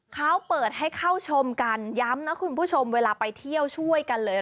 เขาเปิดให้เข้าชมกันย้ำนะคุณผู้ชมเวลาไปเที่ยวช่วยกันเลย